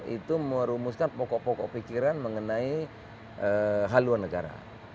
itu merumuskan pokok pokok pikiran mengenai haluan negara